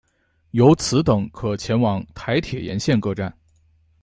由此等可前往台铁沿线各站。